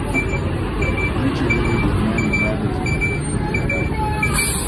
nchi nyingi duniani bado zina ubaguzi wa rangi